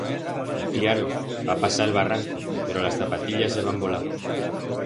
Y, cllaro, va pasar el barranco, pero las zapatillas heban volau.